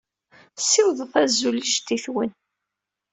Ssiwḍet azul i jeddi-twen.